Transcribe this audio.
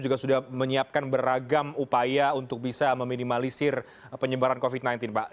juga sudah menyiapkan beragam upaya untuk bisa meminimalisir penyebaran covid sembilan belas pak